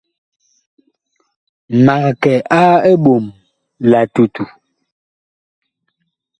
Mag kɛ a eɓom la tutu.